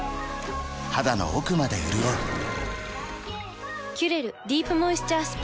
肌の奥まで潤う「キュレルディープモイスチャースプレー」